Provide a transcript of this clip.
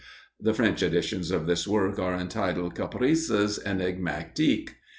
The French editions of this work are entitled "Caprices énigmatiques."